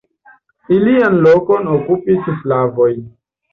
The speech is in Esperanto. Ilian lokon okupis slavoj.